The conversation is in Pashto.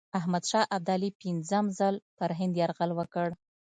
احمدشاه ابدالي پنځم ځل پر هند یرغل وکړ.